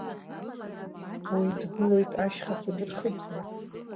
Уи дгылоит ашьхақәа дырхыҵны.